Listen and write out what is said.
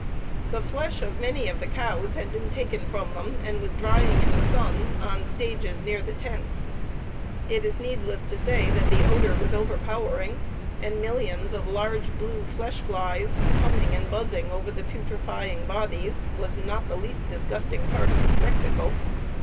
The flesh of many of the cows had been taken from them, and was drying in the sun on stages near the tents. It is needless to say that the odor was overpowering, and millions of large blue flesh flies, humming and buzzing over the putrefying bodies, was not the least disgusting part of the spectacle."